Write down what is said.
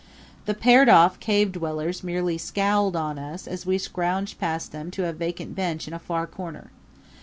The paired off cave dwellers merely scowled on us as we scrouged past them to a vacant bench in a far corner.